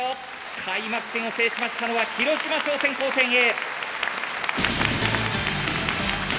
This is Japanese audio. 開幕戦を制しましたのは広島商船高専Ａ。